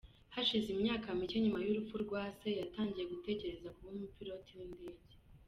Hashize imyaka mike nyuma y’urupfu rwa se yatangiye gutekereza kuba umupiloti w’indege.